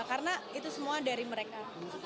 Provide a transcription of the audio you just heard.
karena itu semua dari mereka